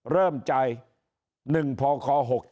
เริ่มใจ๑พค๖๗